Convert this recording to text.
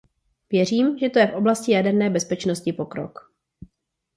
Věřím, že to je v oblasti jaderné bezpečnosti pokrok.